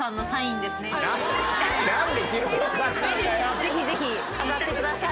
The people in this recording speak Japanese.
ぜひぜひ飾ってください。